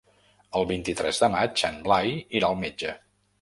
El vint-i-tres de maig en Blai irà al metge.